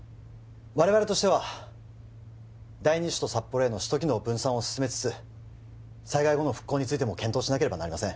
我々としては第二首都札幌への首都機能分散を進めつつ災害後の復興についても検討しなければなりません